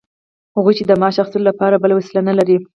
هغوی چې د معاش اخیستلو لپاره بله وسیله نلري